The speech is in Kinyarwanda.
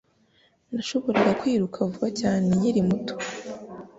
Nashoboraga kwiruka vuba cyane nkiri muto.